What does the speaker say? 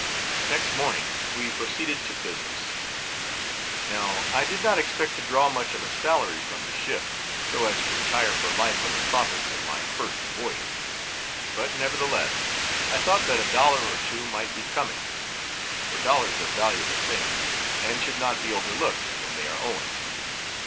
Next morning, we proceeded to business. Now, I did not expect to draw much of a salary from the ship; so as to retire for life on the profits of my first voyage; but nevertheless, I thought that a dollar or two might be coming. For dollars are valuable things; and should not be overlooked, when they are owing.